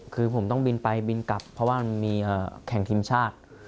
คือผมต้องบินไปบินกลับเพราะว่ามันมีแข่งทีมชาติ